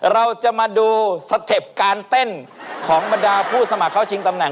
เราจะมาดูสเต็ปการเต้นของบรรดาผู้สมัครเข้าชิงตำแหน